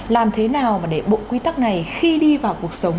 làm thế nào để bộ quý tắc này khi đi vào cuộc sống